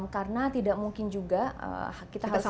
karena tidak mungkin juga kita harus akui ya